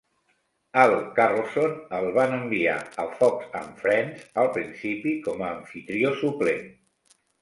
Al Carlson el van enviar a "Fox and Friends" al principi com a amfitrió suplent.